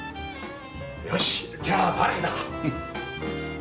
よしじゃあバレーだ！